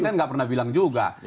ini kan nggak pernah bilang juga